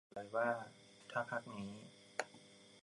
บอกเลยว่า ถ้าพรรคนี้